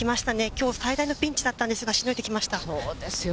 きょう、最大のピンチだったんですが、しのいできました。